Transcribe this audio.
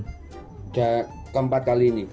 udah keempat kali ini